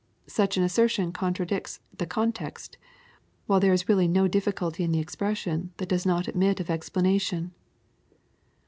Such an assertion contradicts the context, while there is really no difficulty in the expression, that does not admit of explanation.